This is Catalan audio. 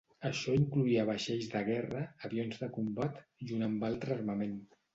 Això incloïa vaixells de guerra, avions de combat, junt amb altre armament.